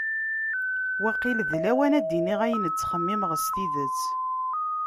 Waqil d lawan ad d-iniɣ ayen ttxemmimeɣ s tidet.